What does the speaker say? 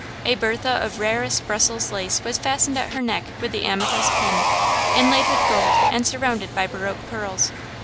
A bertha of rarest Brussels lace was fastened at her neck with the amethyst pin, inlaid with gold and surrounded by baroque pearls.